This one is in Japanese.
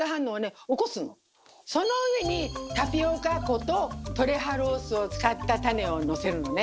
その上にタピオカ粉とトレハロースを使ったタネをのせるのね。